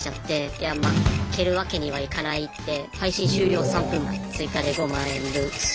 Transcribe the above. いや負けるわけにはいかないって配信終了３分前追加で５万円分。